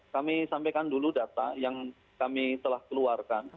kami sampaikan dulu data yang kami telah keluarkan